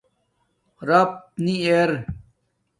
رَف نی ار